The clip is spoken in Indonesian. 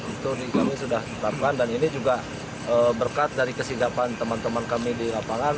itu kami sudah tetapkan dan ini juga berkat dari kesidapan teman teman kami di lapangan